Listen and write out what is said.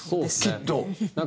きっと。